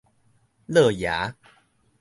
躼爺